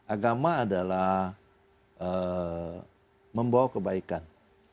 agama adalah membawa kebaikan